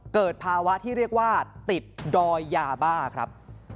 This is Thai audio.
เกิดภาวะที่เรียกว่าติดดอยยาบ้าครับ